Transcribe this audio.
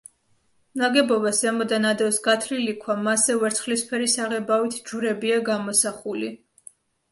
ნაგებობას ზემოდან ადევს გათლილი ქვა, მასზე ვერცხლისფერი საღებავით ჯვრებია გამოსახული.